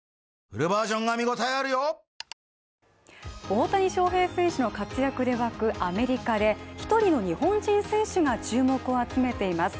ＪＴ大谷翔平選手の活躍で沸くアメリカで１人の日本人選手が注目を集めています。